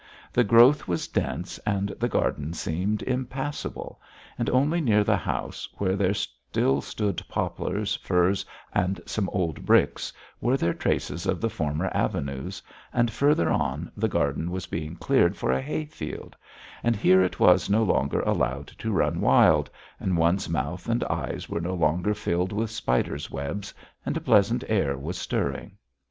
The growth was dense and the garden seemed impassable, and only near the house, where there still stood poplars, firs, and some old bricks, were there traces of the former avenues, and further on the garden was being cleared for a hay field, and here it was no longer allowed to run wild, and one's mouth and eyes were no longer filled with spiders' webs, and a pleasant air was stirring.